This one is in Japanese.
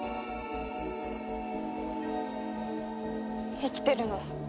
生きてるの？